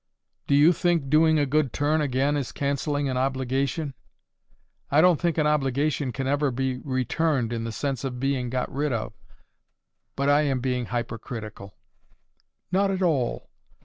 "Do you think doing a good turn again is cancelling an obligation? I don't think an obligation can ever be RETURNED in the sense of being got rid of. But I am being hypercritical." "Not at all.